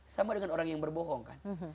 sama dengan orang yang berbohong kan